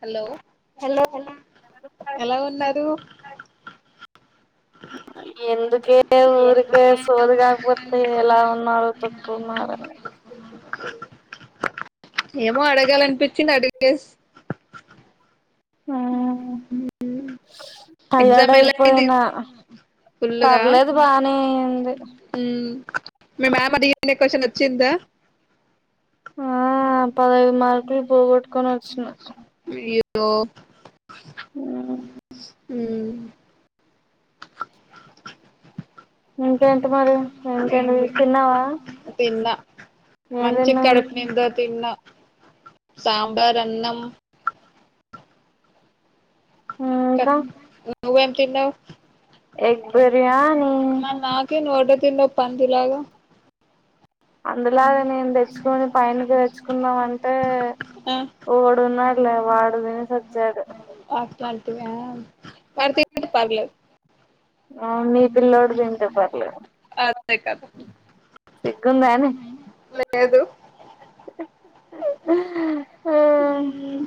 Hello hello ఎలా ఉన్నారు ఎందుకే ఊరికే సోది కాకపోతే ఎలా ఉన్నారు తొక్కున్నారని ఏమో అడగాలనిపించింది అడిగేస్ ఉహు అయింది టాయడైపోయిన ఫుల్లుగా పర్లేదు బానేంది మ్మ్ మీ మ్యామ్ అడిగిండే క్వశ్చన్ వచ్చిందా ఆ పదైదు మార్కులు పోగొట్టుకొని వచ్చిన రితో ఆ ఉ ఇంకేంటి మరి ఇంకేంటి తిన్నావా తిన్న ఏం మంచిగా తిన్నావ్ కడుపు నిండ తిన్న సాంబార్ అన్నం క ఇంకా నువ్వేం తిన్నవ్ ఎగ్ బిర్యానీ మరి నాకి నువ్ ఒకటే తిన్నావ్ పంది లాగా అందులాగా నేను తెచ్చుకుని పైనకి తెచ్చుకుందాం అంటే ఆ ఓడున్నాడు లే వాడు దినేసొచ్చాడు వాడు తింటే పర్లేదు ఆ మీ పిల్లోడ్ తింటే పర్లేదు అంతే కదా సిగ్గుందానే లేదు ఆ మ్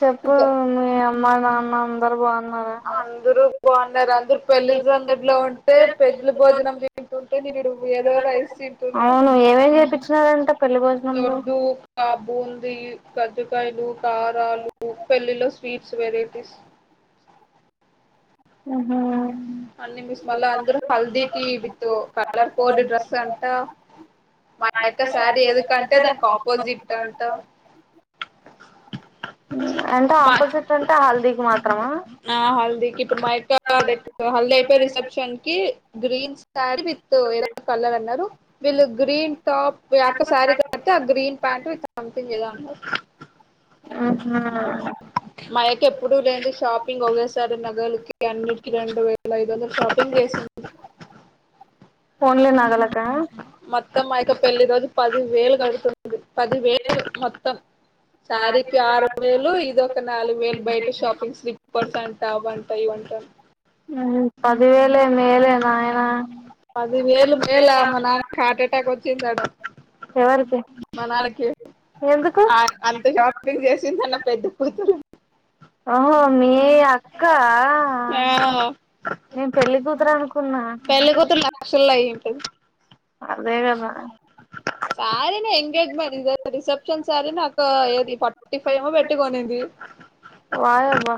చెప్పు ఇంకా మీ అమ్మా నాన్న అందరు బాగున్న అందరు బాగున్నారు అందరు పెళ్ళి సందడిలో ఉంటే పెడ్లి భోజనం తింటుంటే నేను డు ఏదో రైస్ తింటున్న చేపిచ్చిన లడ్డూ కాబుంది కజ్జకాయలు కారాలు పెళ్లిలో స్వీట్స్ వెరైటీస్ అహా అన్ని మిస్ మల్ల ఆంధ్రు హల్ది కి విత్ కలర్ కోడ్ డ్రెస్ అంట మా యక్క శారీ ఎందుకంటే దానికి ఆపోజిట్ అంట అంటే మా అక్క ఆపోజిట్ అంటే హల్దీకి మాత్రమా హా లైక్ హల్దీ అయిపోయి రిసెప్షన్ కి గ్రీన్ శారీ విత్ ఏదో కలర్ అన్నారు వీళ్ళు గ్రీన్ టాప్ అక్క శారీ కతే ఆ గ్రీన్ ప్యాంట్ సంథింగ్ ఉహు మయక్క ఎప్పుడు లేంది షాపింగ్ ఒకేసారి నగలకి అన్నిటికి రెండు వేల ఐదు వందల షాపింగ్ చేసింది ఓన్లీ నగలకా ఇంకా మయక్క పెళ్లి రోజు పది వేలు కడుతుంది పది వేలు మొత్తం సారీకి ఆరు వేలు ఇదొక నాలుగు వేలు బయట షాపింగ్ స్లిప్పర్స్ అంట అవ్వంట ఇవ్వంట త మ్ పదివేలే మేలే నాయనా పదివేలు మేళ మా నాన్నకి హార్ట్ అటాక్ వచ్చిందాడా ఎవరికి మ నాన్న కి ఎందుకు అ అంత షా ఇది చేసింది అన్న పెద్ద కూతురు ఓహో మీ అక్కా ఆ నేను పెళ్ళికుతురు అనుకున్నా ఎంటది అదే కదా శారీ నే ఎంగేజ్మెంట్ కి తెచ్ రిసెప్షన్ శారీ నాకు ఏది ఫార్టీ ఫైవ్ ఏమో పెట్టీ కొన్నింది వాయబ్బా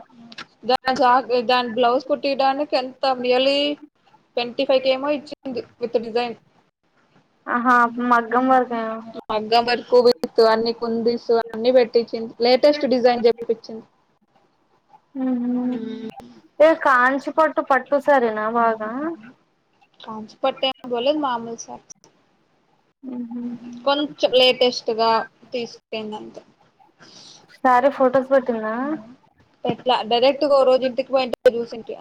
దాన్ జాగ దాన్ బ్లౌస్ కుటీడానికి ఎంత నియర్లీ ట్వంటీ ఫైవ్ కే ఏమో ఇచ్చింది విత్ డిజైన్ ఆహా మగ్గం వర్క్ ఏమో మగ్గం వర్క్ కుబిస్ అన్ని కుందిస్ అన్ని పెట్టించిింది లేటెస్ట్ డిజైన్ చేపించింది ఉమ్ హు ఏ కాంచిపట్టు పట్టు శారీ నా బాగా కాంచీ పట్టు ఎం అనుకోలేదు మామూలు శారీ మ్హూ. కొంచెం లేటెస్ట్ గా తీసుకోయిందంతే శారీ ఫోటోస్ పెట్టిందా ఎట్లా డైరెక్ట్గా ఓ రోజు ఇంటికి పోయింటే చూసింటి